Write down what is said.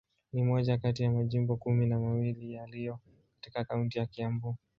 Ni moja kati ya majimbo kumi na mawili yaliyo katika kaunti ya Kiambu.